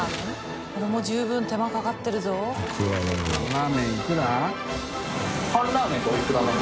ラーメンいくら？